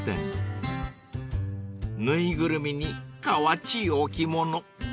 ［縫いぐるみにかわちい置物］